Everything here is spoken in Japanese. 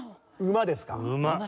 馬ですね。